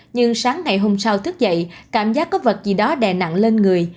nhưng sáng ngày hôm sau thức dậy cảm giác có vật gì đó đè nặng lên người